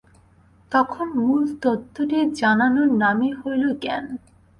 তখন মূল তত্ত্বটি জানার নামই হইল জ্ঞান।